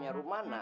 ya rumana sendiri